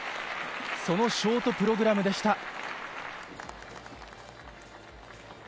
そのショートプログラムでした。